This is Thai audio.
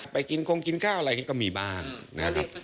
ไปกินคงกินข้าวอะไรอย่างนี้ก็มีบ้างนะครับ